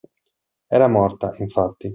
Era morta, infatti.